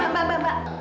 mbak mbak mbak